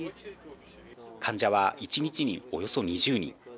患者は一日におよそ２０人。